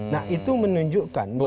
nah itu menunjukkan bahwa